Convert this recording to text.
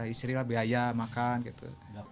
istilah biaya makan gitu